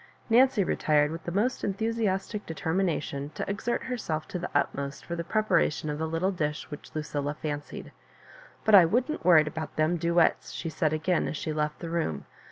Nancy retired with the most enUiusiatic determination to exert her self to the utmost for the preparation of the little dish which Lucilla fancied. But I wouldn't worrit about them duets," she said a^in, as she left the room.